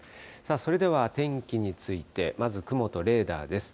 それでは天気について、まず、雲とレーダーです。